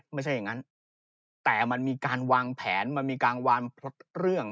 ไม่ใช่อย่างนั้นแต่มันมีการวางแผนมันมีการวางพลตเรื่อง